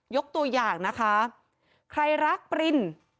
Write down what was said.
ยกตัวอย่างนะคะใครรักปริน